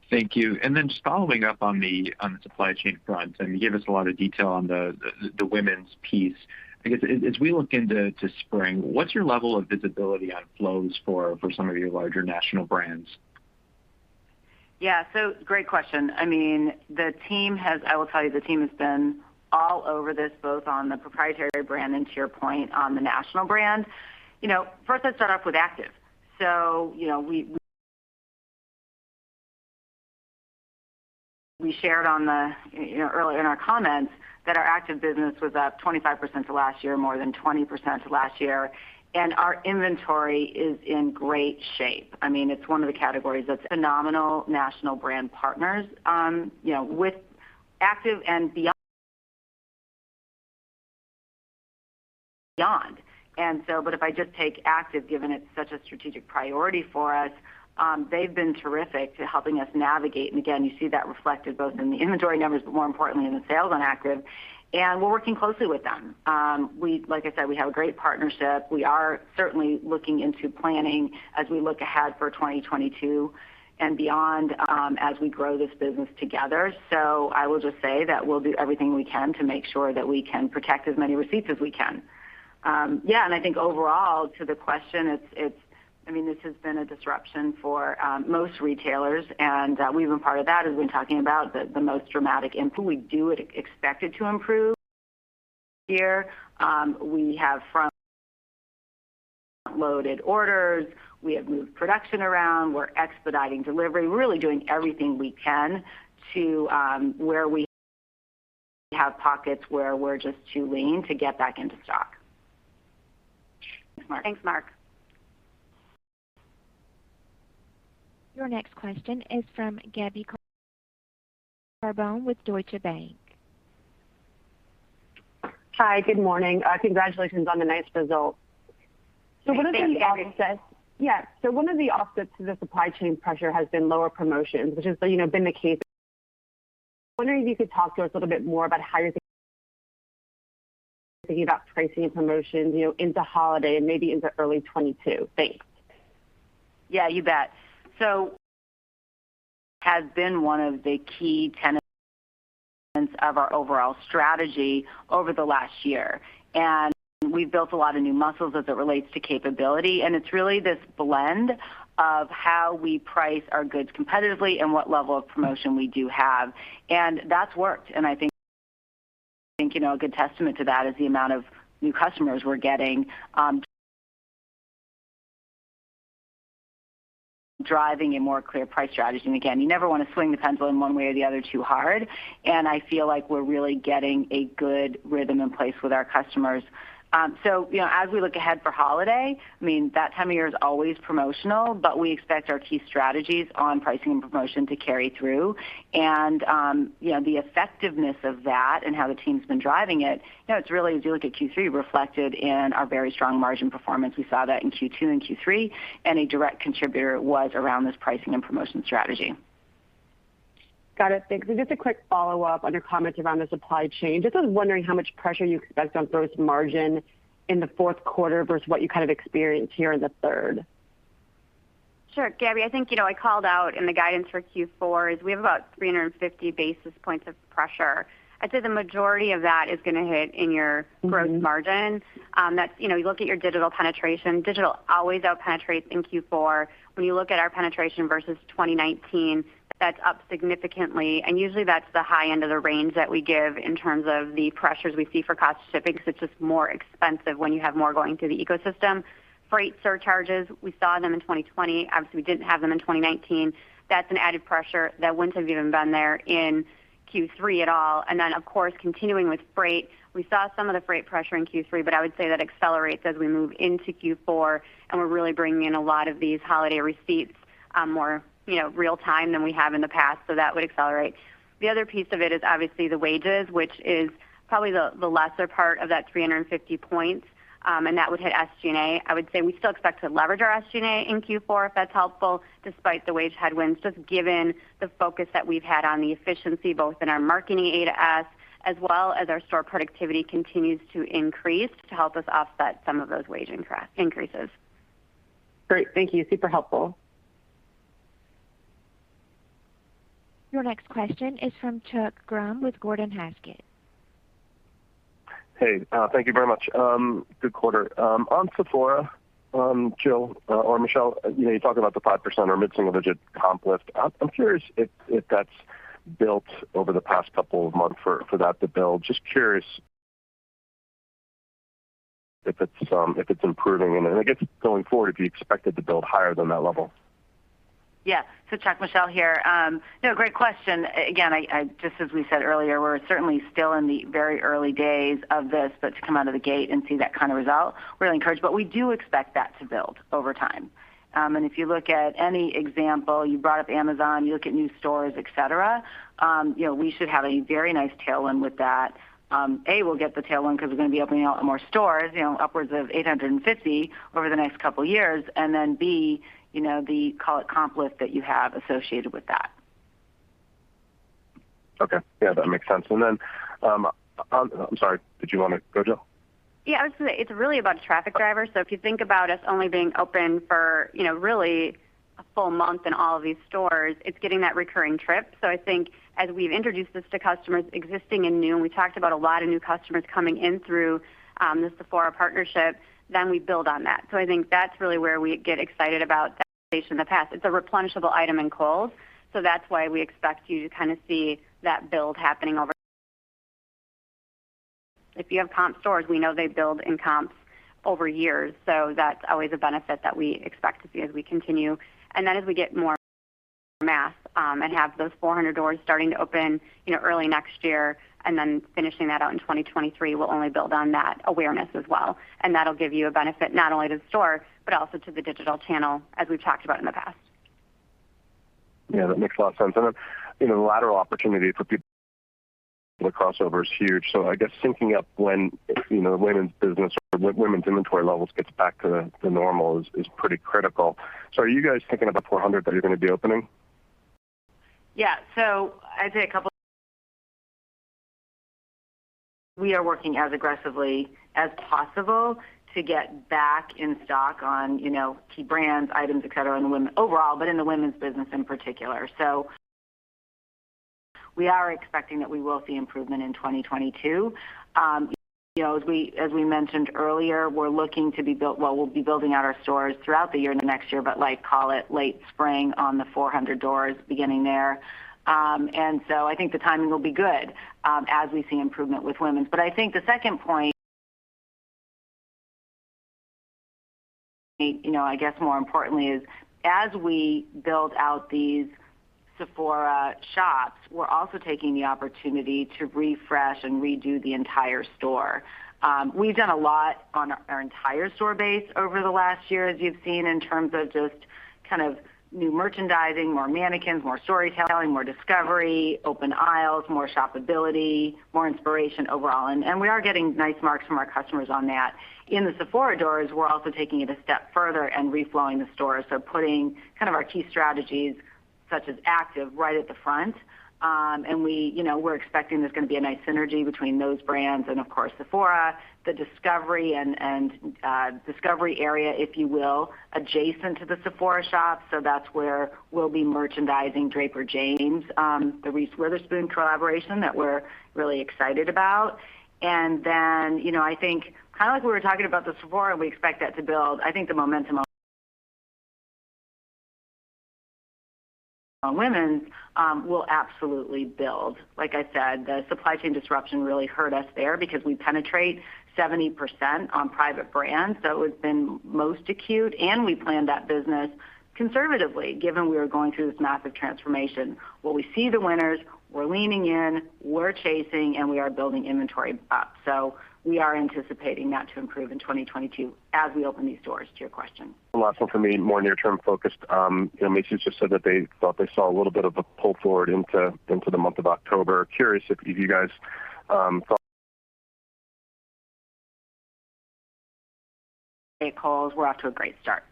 Thank you. Just following up on the supply chain front, and you gave us a lot of detail on the women's piece. I guess as we look into spring, what's your level of visibility on flows for some of your larger national brands? Yeah. Great question. I mean, I will tell you, the team has been all over this, both on the proprietary brand, and to your point, on the national brand. You know, first I'll start off with active. You know, we shared you know, earlier in our comments that our active business was up 25% to last year, more than 20% to last year, and our inventory is in great shape. I mean, it's one of the categories that's phenomenal. National brand partners, you know. With active and beyond. If I just take active, given it's such a strategic priority for us, they've been terrific to helping us navigate. You see that reflected both in the inventory numbers, but more importantly, in the sales on active. We're working closely with them. Like I said, we have a great partnership. We are certainly looking into planning as we look ahead for 2022 and beyond, as we grow this business together. I will just say that we'll do everything we can to make sure that we can protect as many receipts as we can. Yeah, I think overall to the question, it's. I mean, this has been a disruption for most retailers, and we've been part of that, as we've been talking about the most dramatic improvement. We do expect it to improve here. We have front-loaded orders. We have moved production around. We're expediting delivery, really doing everything we can where we have pockets where we're just too lean to get back into stock. Thanks, Mark. Thanks, Mark. Your next question is from Gabriella Carbone with Deutsche Bank. Hi, good morning. Congratulations on the nice results. Thank you, Gabby. One of the offsets to the supply chain pressure has been lower promotions, which has, you know, been the case. Wondering if you could talk to us a little bit more about how you're thinking about pricing and promotions, you know, into holiday and maybe into early 2022. Thanks. Yeah, you bet. Has been one of the key tenets of our overall strategy over the last year. We've built a lot of new muscles as it relates to capability, and it's really this blend of how we price our goods competitively and what level of promotion we do have. That's worked. I think you know, a good testament to that is the amount of new customers we're getting, driving a more clear price strategy. Again, you never wanna swing the pendulum one way or the other too hard, and I feel like we're really getting a good rhythm in place with our customers. You know, as we look ahead for holiday, I mean, that time of year is always promotional, but we expect our key strategies on pricing and promotion to carry through. You know, the effectiveness of that and how the team's been driving it, you know, it's really, as you look at Q3, reflected in our very strong margin performance. We saw that in Q2 and Q3, and a direct contributor was around this pricing and promotion strategy. Got it. Thanks. Just a quick follow-up on your comments around the supply chain. Just was wondering how much pressure you expect on gross margin in the fourth quarter versus what you kind of experienced here in the third. Sure. Gabby, I think, you know, I called out in the guidance for Q4 is we have about 350 basis points of pressure. I'd say the majority of that is gonna hit in your- Mm-hmm. Gross margin. That's, you know, you look at your digital penetration. Digital always out-penetrates in Q4. When you look at our penetration versus 2019, that's up significantly, and usually that's the high end of the range that we give in terms of the pressures we see for cost shipping, 'cause it's just more expensive when you have more going through the ecosystem. Freight surcharges, we saw them in 2020. Obviously, we didn't have them in 2019. That's an added pressure that wouldn't have even been there in Q3 at all. Of course, continuing with freight, we saw some of the freight pressure in Q3, but I would say that accelerates as we move into Q4, and we're really bringing in a lot of these holiday receipts, more, you know, real time than we have in the past. That would accelerate. The other piece of it is obviously the wages, which is probably the lesser part of that 350 points, and that would hit SG&A. I would say we still expect to leverage our SG&A in Q4, if that's helpful, despite the wage headwinds, just given the focus that we've had on the efficiency, both in our marketing, A-to-S, as well as our store productivity continues to increase to help us offset some of those wage increases. Great. Thank you. Super helpful. Your next question is from Chuck Grom with Gordon Haskett. Hey, thank you very much. Good quarter. On Sephora, Jill or Michelle, you know, you talk about the 5% or mid-single-digit comp lift. I'm curious if that's built over the past couple of months for that to build. Just curious if it's improving. I guess going forward, if you expect it to build higher than that level. Yeah. Chuck, Michelle here. No, great question. Again, I just as we said earlier, we're certainly still in the very early days of this, but to come out of the gate and see that kind of result, really encouraged. We do expect that to build over time. If you look at any example, you brought up Amazon, you look at new stores, et cetera, you know, we should have a very nice tailwind with that. A, we'll get the tailwind because we're gonna be opening a lot more stores, you know, upwards of 850 over the next couple years. Then B, you know, the call it comp lift that you have associated with that. Okay. Yeah, that makes sense. I'm sorry, did you wanna go, Jill? Yeah, I was gonna say, it's really about traffic drivers. If you think about us only being open for, you know, really a full month in all of these stores, it's getting that recurring trip. I think as we've introduced this to customers existing and new, and we talked about a lot of new customers coming in through the Sephora partnership, then we build on that. I think that's really where we get excited about that in the past. It's a replenishable item in Kohl's, so that's why we expect you to kinda see that build happening over. If you have comp stores, we know they build in comps over years, so that's always a benefit that we expect to see as we continue. As we get more mass, and have those 400 doors starting to open, you know, early next year and then finishing that out in 2023, we'll only build on that awareness as well. That'll give you a benefit not only to the store, but also to the digital channel as we've talked about in the past. Yeah, that makes a lot of sense. Then, you know, the lateral opportunity for people, the crossover is huge. I guess syncing up when, you know, the women's business or women's inventory levels gets back to the normal is pretty critical. Are you guys thinking about 400 that you're gonna be opening? We are working as aggressively as possible to get back in stock on, you know, key brands, items, et cetera, overall, but in the women's business in particular. We are expecting that we will see improvement in 2022. As we mentioned earlier, we'll be building out our stores throughout the year, next year, but like call it late spring on the 400 doors beginning there. I think the timing will be good, as we see improvement with women's. I think the second point, you know, I guess more importantly is as we build out these Sephora shops, we're also taking the opportunity to refresh and redo the entire store. We've done a lot on our entire store base over the last year, as you've seen, in terms of just kind of new merchandising, more mannequins, more storytelling, more discovery, open aisles, more shopability, more inspiration overall. We are getting nice marks from our customers on that. In the Sephora doors, we're also taking it a step further and reflowing the stores, putting kind of our key strategies such as active right at the front. We, you know, we're expecting there's gonna be a nice synergy between those brands and of course, Sephora, the discovery and discovery area, if you will, adjacent to the Sephora shop. That's where we'll be merchandising Draper James, the Reese Witherspoon collaboration that we're really excited about. You know, I think kind of like we were talking about the Sephora, we expect that to build. I think the momentum on women's will absolutely build. Like I said, the supply chain disruption really hurt us there because we penetrate 70% on private brands, so it's been most acute. We planned that business conservatively, given we were going through this massive transformation. Well, we see the winners, we're leaning in, we're chasing, and we are building inventory up. We are anticipating that to improve in 2022 as we open these doors to your question. The last one for me, more near term focused. You know, Macy's just said that they thought they saw a little bit of a pull forward into the month of October. Curious if you guys thought Kohl's, we're off to a great start.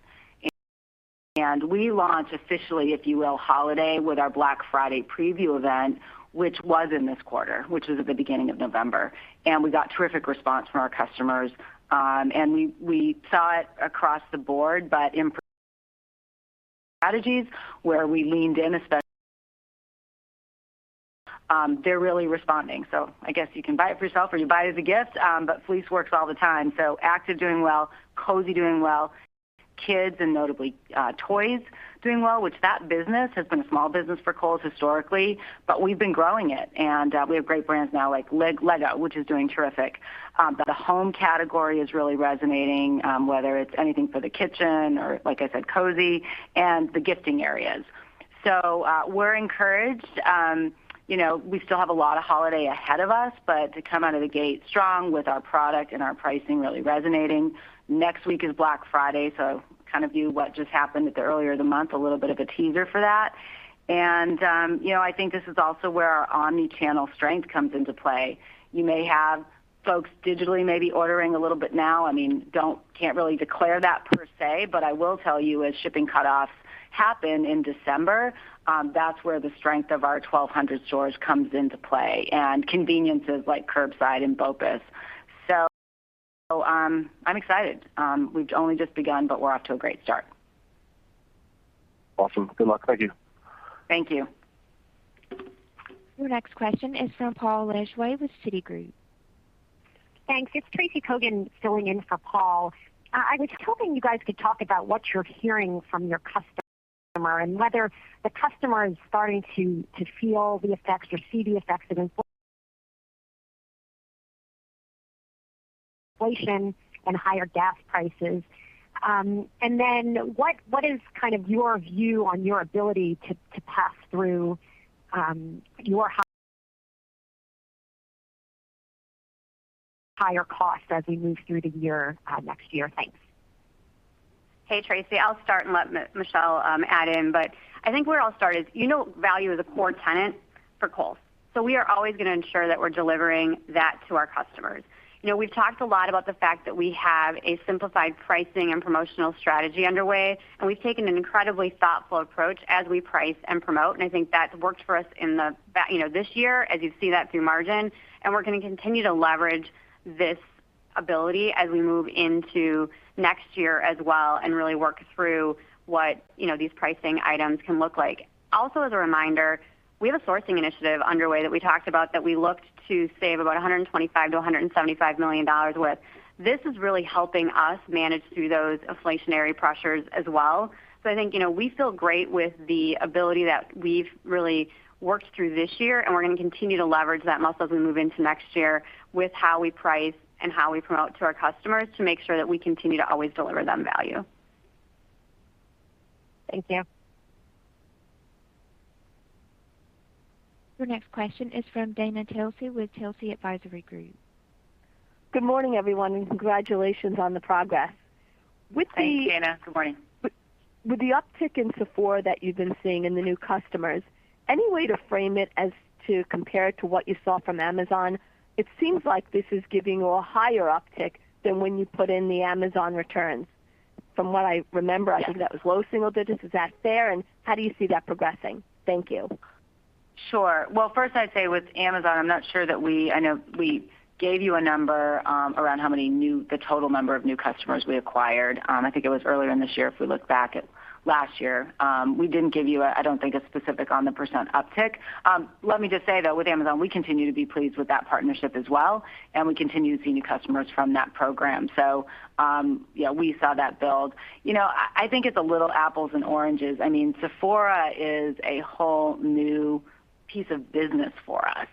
We launched officially, if you will, holiday with our Black Friday preview event, which was in this quarter, which was at the beginning of November. We got terrific response from our customers. We saw it across the board, but in strategies where we leaned in, they're really responding. I guess you can buy it for yourself or you buy it as a gift, but fleece works all the time. Active doing well, cozy doing well, kids, and notably, toys doing well, which that business has been a small business for Kohl's historically, but we've been growing it, and we have great brands now like Lego, which is doing terrific. The home category is really resonating, whether it's anything for the kitchen or like I said, cozy and the gifting areas. We're encouraged. You know, we still have a lot of holiday ahead of us, but to come out of the gate strong with our product and our pricing really resonating. Next week is Black Friday, kind of view what just happened earlier this month, a little bit of a teaser for that. You know, I think this is also where our omni-channel strength comes into play. You may have folks digitally maybe ordering a little bit now. I mean, can't really declare that per se, but I will tell you as shipping cutoffs happen in December, that's where the strength of our 1,200 stores comes into play, and conveniences like curbside and BOPUS. I'm excited. We've only just begun, but we're off to a great start. Awesome. Good luck. Thank you. Thank you. Your next question is from Paul Lejuez with Citigroup. Thanks. It's Tracy Kogan filling in for Paul. I was hoping you guys could talk about what you're hearing from your customer and whether the customer is starting to feel the effects or see the effects of inflation and higher gas prices. What is kind of your view on your ability to pass through your higher costs as we move through the year, next year? Thanks. Hey, Tracy. I'll start and let Michelle add in. I think where I'll start is, you know, value is a core tenet for Kohl's, so we are always gonna ensure that we're delivering that to our customers. You know, we've talked a lot about the fact that we have a simplified pricing and promotional strategy underway, and we've taken an incredibly thoughtful approach as we price and promote. I think that's worked for us this year as you see that through margin. We're gonna continue to leverage this ability as we move into next year as well and really work through what, you know, these pricing items can look like. Also, as a reminder, we have a sourcing initiative underway that we talked about that we looked to save about $125 million-$175 million with. This is really helping us manage through those inflationary pressures as well. I think, you know, we feel great with the ability that we've really worked through this year, and we're gonna continue to leverage that muscle as we move into next year with how we price and how we promote to our customers to make sure that we continue to always deliver them value. Thank you. Your next question is from Dana Telsey with Telsey Advisory Group. Good morning, everyone, and congratulations on the progress. Thanks, Dana. Good morning. With the uptick in Sephora that you've been seeing and the new customers, any way to frame it as to compare it to what you saw from Amazon? It seems like this is giving you a higher uptick than when you put in the Amazon returns. From what I remember, I think that was low single digits. Is that fair? And how do you see that progressing? Thank you. Sure. Well, first I'd say with Amazon, I'm not sure that we. I know we gave you a number around the total number of new customers we acquired. I think it was earlier in this year, if we look back at last year, we didn't give you, I don't think, a specific on the percent uptick. Let me just say, though, with Amazon, we continue to be pleased with that partnership as well, and we continue seeing customers from that program. Yeah, we saw that build. You know, I think it's a little apples and oranges. I mean, Sephora is a whole new piece of business for us.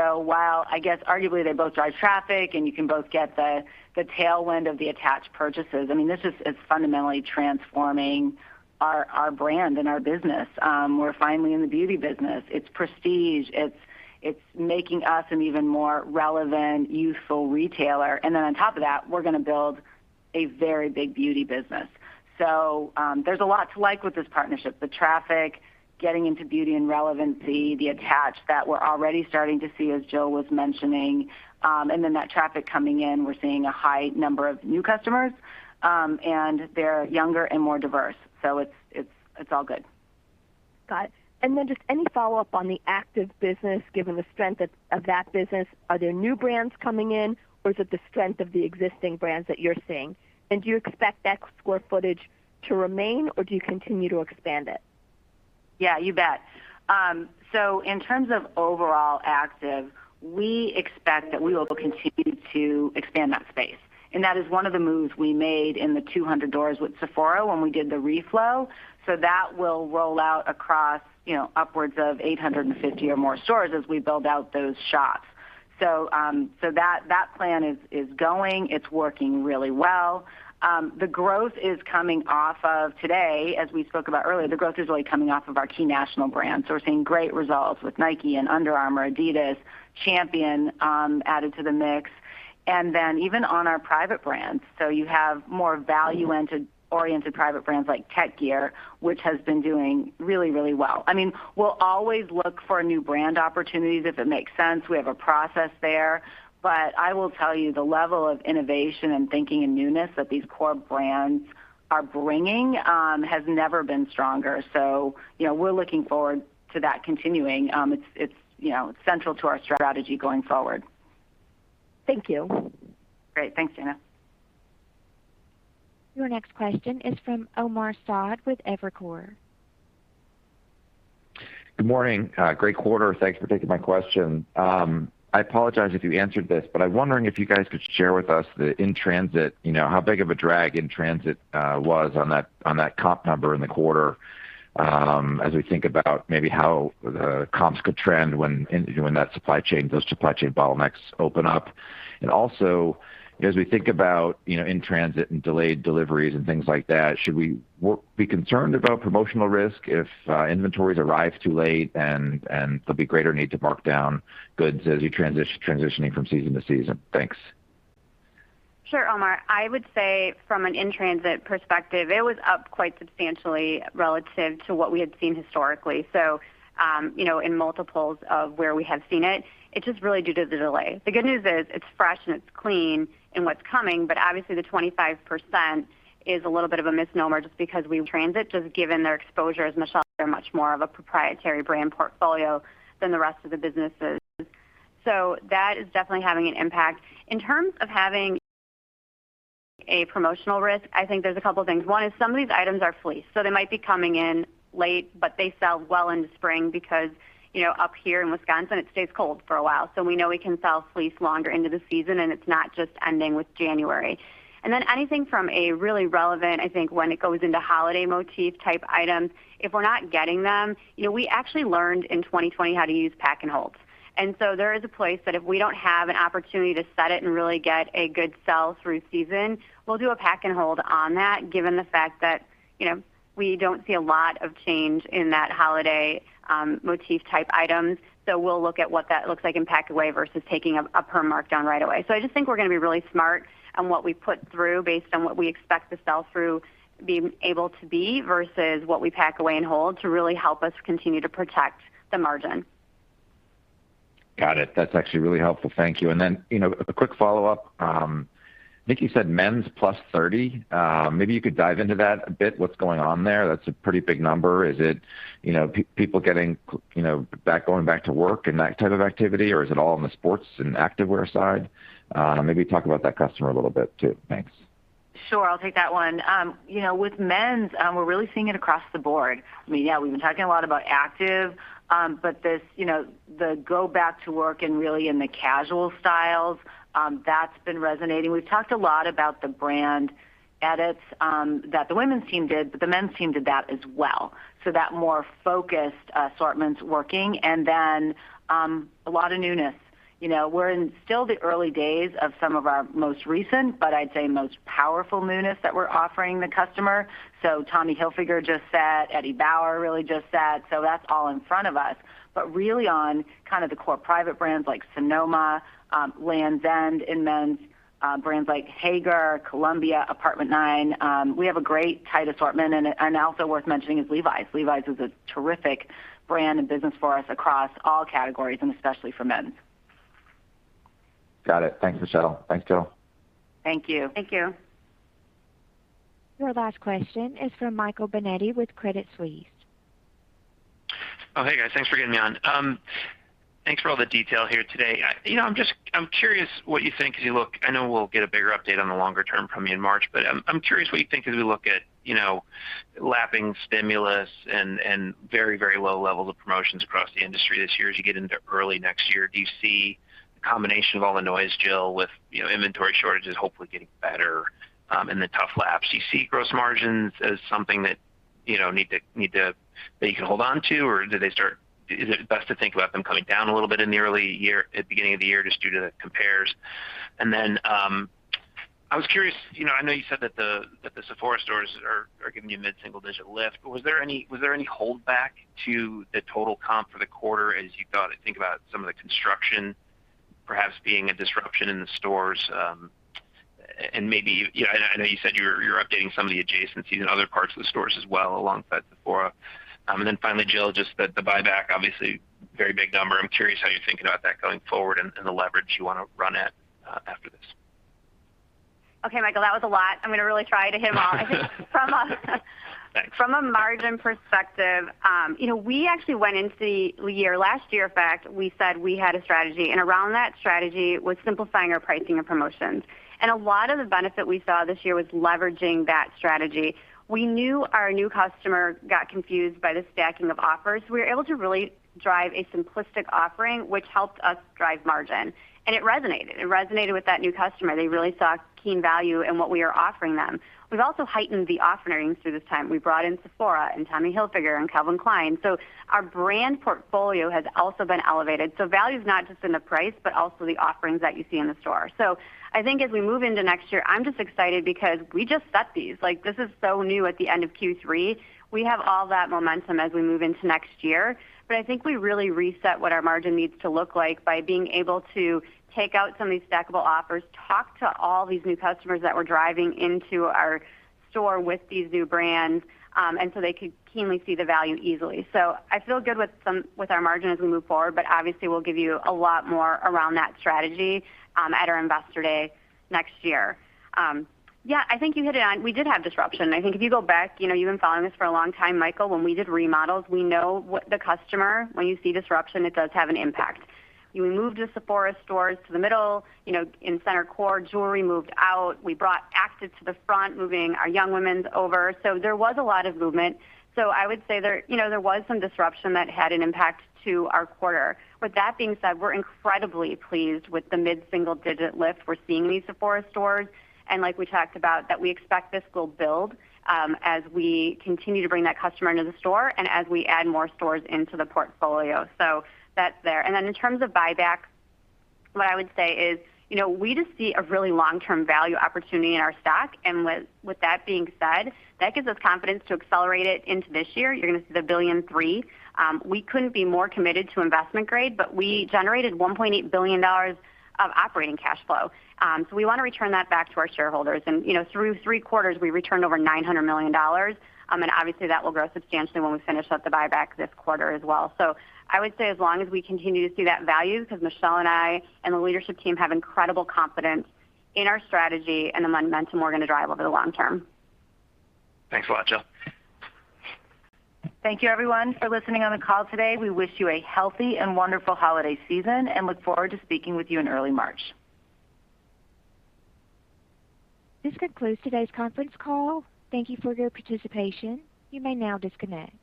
While I guess arguably they both drive traffic, and you can both get the tailwind of the attached purchases, I mean, this is it's fundamentally transforming our brand and our business. We're finally in the beauty business. It's prestige. It's making us an even more relevant, useful retailer. On top of that, we're gonna build a very big beauty business. There's a lot to like with this partnership. The traffic, getting into beauty and relevancy, the attach that we're already starting to see, as Jill was mentioning. That traffic coming in, we're seeing a high number of new customers, and they're younger and more diverse. It's all good. Got it. Just any follow-up on the active business, given the strength of that business. Are there new brands coming in, or is it the strength of the existing brands that you're seeing? Do you expect that square footage to remain, or do you continue to expand it? Yeah, you bet. In terms of overall active, we expect that we will continue to expand that space. That is one of the moves we made in the 200 doors with Sephora when we did the reflow. That will roll out across, you know, upwards of 850 or more stores as we build out those shops. That plan is going. It's working really well. The growth is coming off of today. As we spoke about earlier, the growth is really coming off of our key national brands. We're seeing great results with Nike and Under Armour, Adidas, Champion, added to the mix. Even on our private brands, so you have more value-oriented private brands like Tek Gear, which has been doing really, really well. I mean, we'll always look for new brand opportunities if it makes sense. We have a process there. I will tell you, the level of innovation and thinking and newness that these core brands are bringing has never been stronger. You know, we're looking forward to that continuing. It's, you know, central to our strategy going forward. Thank you. Great. Thanks, Dana. Your next question is from Omar Saad with Evercore. Good morning. Great quarter. Thanks for taking my question. I apologize if you answered this, but I'm wondering if you guys could share with us the in-transit, you know, how big of a drag in-transit was on that, on that comp number in the quarter, as we think about maybe how the comps could trend when that supply chain, those supply chain bottlenecks open up. Also, as we think about, you know, in-transit and delayed deliveries and things like that, should we be concerned about promotional risk if inventories arrive too late and there'll be greater need to mark down goods as you transitioning from season to season? Thanks. Sure, Omar. I would say from an in-transit perspective, it was up quite substantially relative to what we had seen historically. You know, in multiples of where we have seen it's just really due to the delay. The good news is it's fresh and it's clean in what's coming, but obviously the 25% is a little bit of a misnomer just because we transit, just given their exposure as Michelle Gass, they're much more of a proprietary brand portfolio than the rest of the businesses. That is definitely having an impact. In terms of having a promotional risk, I think there's a couple things. One is some of these items are fleece, so they might be coming in late, but they sell well into spring because, you know, up here in Wisconsin, it stays cold for a while, so we know we can sell fleece longer into the season, and it's not just ending with January. Then anything from a really relevant, I think when it goes into holiday motif type items, if we're not getting them, you know, we actually learned in 2020 how to use pack and holds. There is a place that if we don't have an opportunity to set it and really get a good sell through season, we'll do a pack and hold on that, given the fact that, you know, we don't see a lot of change in that holiday motif type items. We'll look at what that looks like in pack away versus taking a perm markdown right away. I just think we're gonna be really smart on what we put through based on what we expect the sell through being able to be versus what we pack away and hold to really help us continue to protect the margin. Got it. That's actually really helpful. Thank you. You know, a quick follow-up. I think you said men's +30%. Maybe you could dive into that a bit. What's going on there? That's a pretty big number. Is it, you know, people getting, you know, going back to work and that type of activity, or is it all in the sports and activewear side? Maybe talk about that customer a little bit too. Thanks. Sure. I'll take that one. You know, with men's, we're really seeing it across the board. I mean, yeah, we've been talking a lot about active, but this, you know, the go back to work and really in the casual styles, that's been resonating. We've talked a lot about the brand edits, that the women's team did, but the men's team did that as well. That more focused assortment's working. Then, a lot of newness. You know, we're in still the early days of some of our most recent, but I'd say most powerful newness that we're offering the customer. Tommy Hilfiger just sat, Eddie Bauer really just sat. That's all in front of us. Really on kind of the core private brands like Sonoma, Lands' End in men's, brands like Haggar, Columbia, Apt. 9, we have a great tight assortment. Also worth mentioning is Levi's. Levi's is a terrific brand and business for us across all categories and especially for men's. Got it. Thanks, Michelle. Thanks, Jill. Thank you. Thank you. Your last question is from Michael Binetti with Credit Suisse. Oh, hey guys, thanks for getting me on. Thanks for all the detail here today. I, you know, I'm just curious what you think as you look. I know we'll get a bigger update on the longer term from you in March, but I'm curious what you think as we look at, you know, lapping stimulus and very low levels of promotions across the industry this year as you get into early next year. Do you see the combination of all the noise, Jill, with, you know, inventory shortages hopefully getting better and the tough laps. Do you see gross margins as something that, you know, need to that you can hold on to or do they start. Is it best to think about them coming down a little bit in the early year at the beginning of the year just due to the compares? I was curious, you know, I know you said that the Sephora stores are giving you a mid-single-digit lift. Was there any holdback to the total comp for the quarter as you thought and think about some of the construction perhaps being a disruption in the stores? And maybe, you know, I know you said you're updating some of the adjacencies in other parts of the stores as well alongside Sephora. Finally, Jill, just the buyback, obviously very big number. I'm curious how you're thinking about that going forward and the leverage you wanna run at after this. Okay, Michael, that was a lot. I'm gonna really try to hit them all. Thanks. From a margin perspective, you know, we actually went into the year, last year, in fact, we said we had a strategy, and around that strategy was simplifying our pricing and promotions. A lot of the benefit we saw this year was leveraging that strategy. We knew our new customer got confused by the stacking of offers. We were able to really drive a simplistic offering, which helped us drive margin. It resonated with that new customer. They really saw keen value in what we are offering them. We've also heightened the offerings through this time. We brought in Sephora and Tommy Hilfiger and Calvin Klein. Our brand portfolio has also been elevated. Value is not just in the price, but also the offerings that you see in the store. I think as we move into next year, I'm just excited because we just set these. Like, this is so new at the end of Q3. We have all that momentum as we move into next year. I think we really reset what our margin needs to look like by being able to take out some of these stackable offers, talk to all these new customers that we're driving into our store with these new brands, and so they could keenly see the value easily. I feel good with our margin as we move forward, but obviously we'll give you a lot more around that strategy at our Investor Day next year. Yeah, I think you hit it on. We did have disruption. I think if you go back, you know, you've been following this for a long time, Michael, when we did remodels, we know the customer, when you see disruption, it does have an impact. We moved the Sephora stores to the middle, you know, in center core. Jewelry moved out. We brought active to the front, moving our young women's over. There was a lot of movement. I would say there, you know, there was some disruption that had an impact to our quarter. With that being said, we're incredibly pleased with the mid-single digit lift we're seeing in these Sephora stores. Like we talked about, that we expect this will build, as we continue to bring that customer into the store and as we add more stores into the portfolio. That's there. In terms of buybacks, what I would say is, you know, we just see a really long-term value opportunity in our stock. With that being said, that gives us confidence to accelerate it into this year. You're gonna see $1.3 billion. We couldn't be more committed to investment grade, but we generated $1.8 billion of operating cash flow. We wanna return that back to our shareholders. You know, through three quarters, we returned over $900 million. Obviously that will grow substantially when we finish up the buyback this quarter as well. I would say as long as we continue to see that value, 'cause Michelle and I and the leadership team have incredible confidence in our strategy and the momentum we're gonna drive over the long term. Thanks a lot, Jill. Thank you everyone for listening on the call today. We wish you a healthy and wonderful holiday season, and look forward to speaking with you in early March. This concludes today's conference call. Thank you for your participation. You may now disconnect.